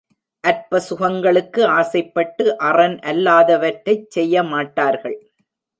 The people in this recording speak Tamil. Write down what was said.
அற்ப சுகங்களுக்கு ஆசைப்பட்டு அறன் அல்லாதவற்றைச் செய்யமாட்டார்கள்.